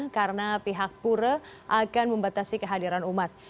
karena pihak pura akan membatasi kehadiran umat